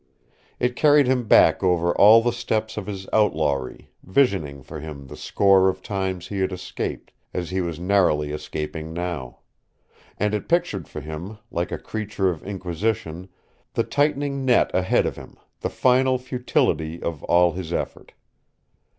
It carried him back over all the steps of his outlawry, visioning for him the score of times he had escaped, as he was narrowly escaping now; and it pictured for him, like a creature of inquisition, the tightening net ahead of him, the final futility of all his effort.